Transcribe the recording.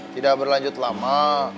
tidak berlanjut lama